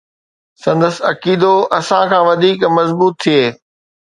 سندس عقيدو اسان کان وڌيڪ مضبوط ٿئي